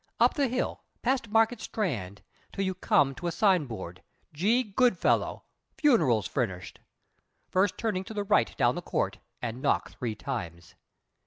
Up the hill, past Market Strand, till you come to a signboard, 'G. Goodfellow. Funerals Furnished' first turning to the right down the court, and knock three times."